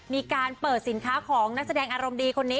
มีการเปิดสินค้าของนักแสดงอารมณ์ดีคนนี้